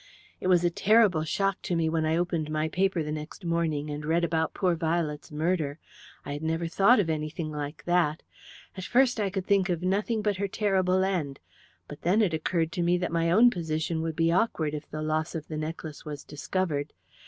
"It was a terrible shock to me when I opened my paper the next morning and read about poor Violet's murder. I had never thought of anything like that. At first I could think of nothing but her terrible end, but then it occurred to me that my own position would be awkward if the loss of the necklace was discovered.